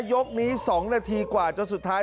ยกนี้๒นาทีกว่าจนสุดท้าย